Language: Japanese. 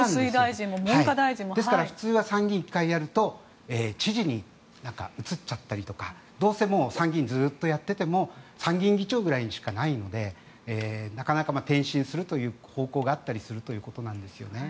ですから、普通は参議院を１回やると知事に移っちゃったりとかどうせ参議院をずっとやっていても参議院議長くらいしかないので転身するという方向があったということなんですよね。